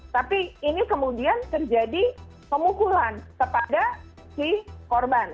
tapi ini kemudian terjadi pemukulan kepada si korban